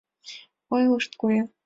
Ойлышт: «Куэ».